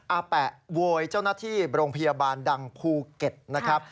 อาแปะโวยเจ้าหน้าที่โรงพยาบาลดังภูเก็ตนะครับ